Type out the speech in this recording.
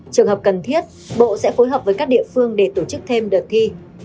trường hợp cần thiết bộ sẽ phối hợp với các địa phương để tổ chức thêm đợt thi